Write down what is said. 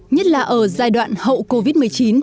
nhất là ở giai đoạn hậu covid một mươi chín